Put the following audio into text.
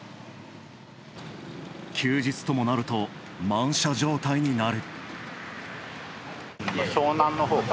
休日ともなると満車状態になる。